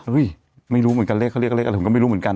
ไม่รู้เหมือนกันเลขเขาเรียกเลขอะไรผมก็ไม่รู้เหมือนกัน